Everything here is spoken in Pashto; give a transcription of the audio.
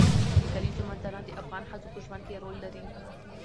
د کلیزو منظره د افغان ښځو په ژوند کې رول لري.